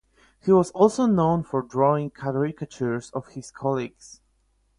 He was also known for drawing caricatures of his colleagues.